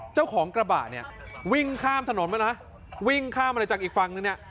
เจ้าของกระบะเนี่ยวิ่งข้ามถนนมานะวิ่งข้ามมาจากอีกฝั่งนึงเนี่ย